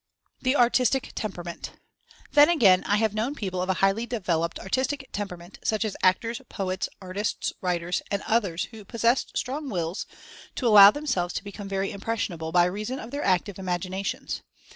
THE ^ARTISTIC TEMPERAMENT." Then again, I have known people of a highly devel oped "artistic temperament," such as actors, poets, artists, writers, and others who possessed strong Wills, to allow themselves to become very "impressionable" by reason of their active imaginations.